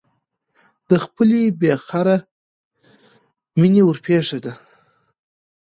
د خپلې بې خرته مینې ورپېښه ده.